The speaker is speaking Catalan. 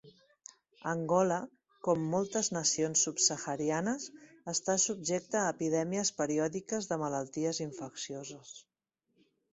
Angola, com moltes nacions Subsaharianes, està subjecta a epidèmies periòdiques de malalties infeccioses.